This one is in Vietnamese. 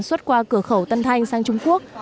xuất qua cửa khẩu tân thanh sang trung quốc